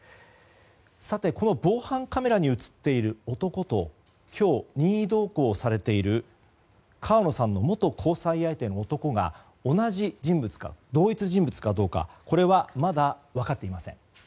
さて、この防犯カメラに映っている男と今日、任意同行されている川野さんの元交際相手の男が同一人物かどうかこれはまだ分かっていません。